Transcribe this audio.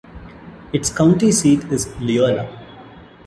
Its county seat is Leola.